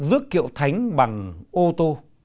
rước kiệu thánh bằng ô tô